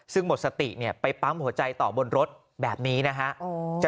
ซึ่งหมดสติเนี่ยไปปั๊มหัวใจต่อบนรถแบบนี้นะฮะ